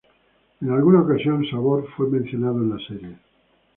En alguna ocasión, Sabor fue mencionado en la serie.